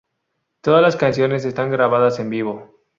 Todas las canciones están grabadas en vivo.